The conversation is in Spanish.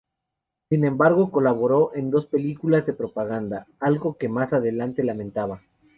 Sin embargo, colaboró en dos películas de propaganda, algo que más adelante lamentaba.